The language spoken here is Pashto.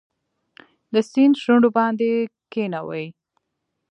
د سیند شونډو باندې کښېښوي